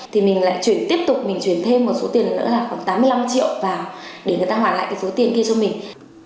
thì mình lại chuyển tiếp tục mình chuyển thêm một số tiền nữa là khoảng tám mươi năm triệu vào để người ta hoàn lại cái số tiền kia cho mình